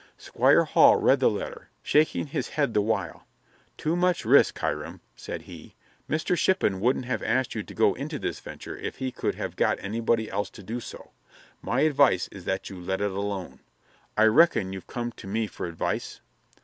Squire Hall read the letter, shaking his head the while. "Too much risk, Hiram!" said he. "Mr Shippin wouldn't have asked you to go into this venture if he could have got anybody else to do so. My advice is that you let it alone. I reckon you've come to me for advice?"